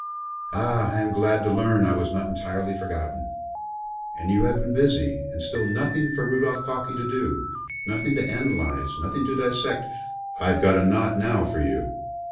"Ah, I am glad to learn I was not entirely forgotten. And you have been busy, and still nothing for Rudolph Calkey to do, nothing to analyze, nothing to dissect " "I've got a knot now for you."